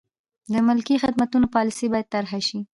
د ملکي خدمتونو پالیسي باید طرحه شي.